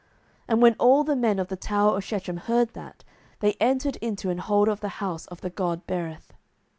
07:009:046 And when all the men of the tower of Shechem heard that, they entered into an hold of the house of the god Berith.